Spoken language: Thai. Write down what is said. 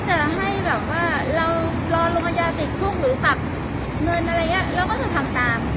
ถ้าให้เราลองรมยาติดติ้งหรือกับเงินอะไรเราก็จะทำตาม